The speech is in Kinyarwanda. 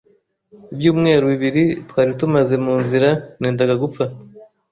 ibyumweru bibiri twari tumaze mu nzira nendaga gupfa